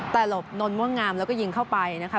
แต่หลบนม่วงงามแล้วก็ยิงเข้าไปนะคะ